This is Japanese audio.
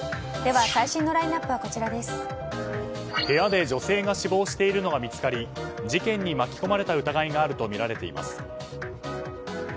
部屋で女性が死亡しているのが見つかり事件に巻き込まれた疑いがあるとみられています。